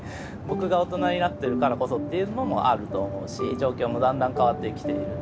僕が大人になってるからこそっていうのもあると思うし状況もだんだん変わってきている。